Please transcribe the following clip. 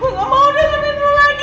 gue gak mau dengerin lo lagi